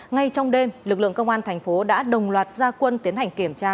ngay trong đêm lực lượng công an thành phố đã đồng loạt gia quân tiến hành kiểm tra